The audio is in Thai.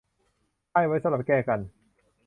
ให้ไว้สำหรับแก้กัน